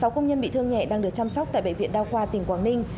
sáu công nhân bị thương nhẹ đang được chăm sóc tại bệ viện đao khoa tỉnh quảng ninh